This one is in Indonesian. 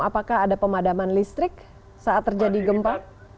apakah ada pemadaman listrik saat terjadi gempa